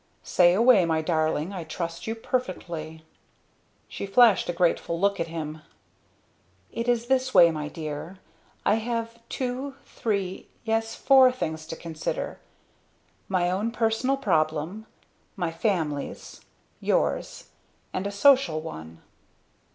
"Say away, my darling. I trust you perfectly." She flashed a grateful look at him. "It is this way, my dear. I have two, three, yes four, things to consider: My own personal problem my family's yours and a social one."